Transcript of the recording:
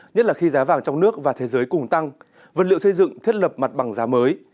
nhất là khi giá vàng trong nước và thế giới cùng tăng vật liệu xây dựng thiết lập mặt bằng giá mới